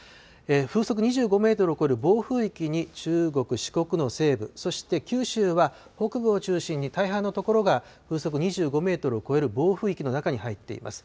風速２５メートルを超える暴風域に中国、四国の西部、そして九州は北部を中心に大半の所が、風速２５メートルを超える暴風域の中に入っています。